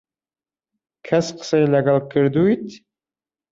کەس قسەی لەگەڵ کردوویت؟